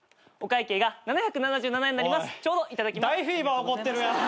大フィーバー起こってるやん。